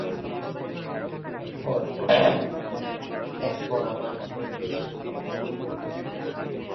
এরপর আমার জীবনের তৃতীয় পর্ব।